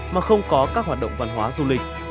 mà không có các hoạt động văn hóa du lịch